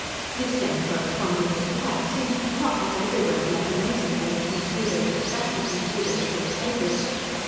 This same correspondence to fact seems to crop up everywhere in that amazing collection of pseudo dispatches and pseudo State papers.